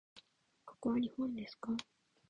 ここは日本ですか？